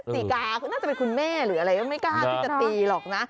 ติกาคุณน่าจะเป็นคุณแม่หรืออะไรก็ไม่กล้าที่จะตีหรอกนะ